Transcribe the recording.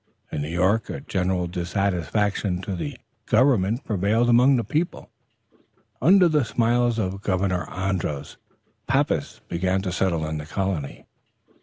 In New York, a general disaffection to the government prevailed among the people. Under the smiles of Governor Andros, papists began to settle in the colony.